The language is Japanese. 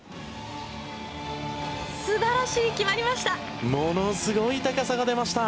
すばらしい、決まりました。